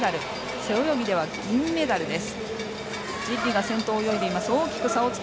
背泳ぎでは銀メダルです。